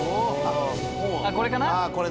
これかな？